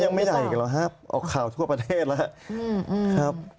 หู้ยังไม่ได้กันแล้วฮะกล่าวออกทั่วประเทศนะครับ